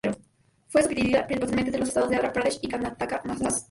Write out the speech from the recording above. Fue subdividida posteriormente entre los estados de Andhra Pradesh, Karnataka y Maharastra.